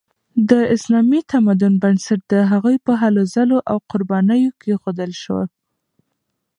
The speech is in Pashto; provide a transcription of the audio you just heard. د اسلامي تمدن بنسټ د هغوی په هلو ځلو او قربانیو کیښودل شو.